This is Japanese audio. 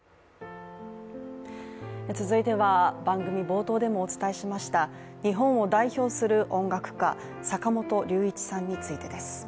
続いては、番組冒頭でもお伝えしました日本を代表する音楽家坂本龍一さんについてです。